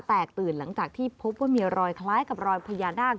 ตื่นหลังจากที่พบว่ามีรอยคล้ายกับรอยพญานาค